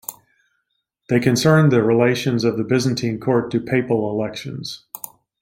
They concerned the relations of the Byzantine Court to papal elections.